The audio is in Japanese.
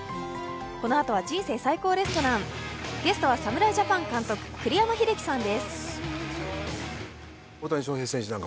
このあとは「人生最高レストラン」、ゲストは侍ジャパン監督栗山英樹さんです。